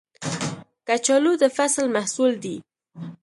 کچالو د فصل محصول دی